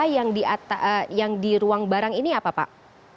yang di ruang barang ini apa pak